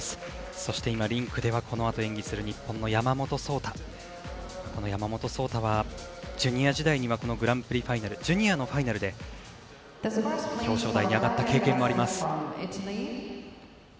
そして、リンクではこのあと演技する日本の山本草太。この山本草太はジュニア時代にはグランプリファイナルジュニアのファイナルで表彰台に上がった経験があります。